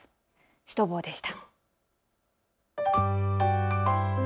シュトボーでした。